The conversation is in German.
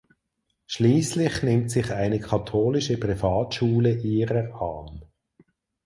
Schließlich nimmt sich eine katholische Privatschule ihrer an.